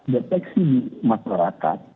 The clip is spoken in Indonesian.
deteksi di masyarakat